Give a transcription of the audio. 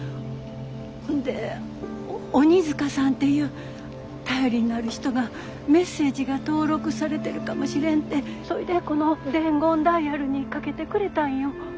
ほんで鬼塚さんっていう頼りになる人がメッセージが登録されてるかもしれんってそいでこの伝言ダイヤルにかけてくれたんよ。